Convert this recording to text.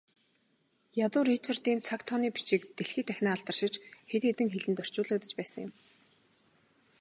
Ядуу Ричардын цаг тооны бичиг дэлхий дахинаа алдаршиж, хэд хэдэн хэлэнд орчуулагдаж байсан юм.